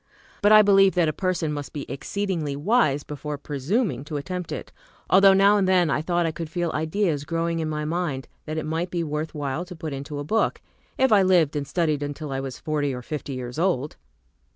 But I believed that a person must be exceedingly wise before presuming to attempt it: although now and then I thought I could feel ideas growing in my mind that it might be worth while to put into a book, if I lived and studied until I was forty or fifty years old.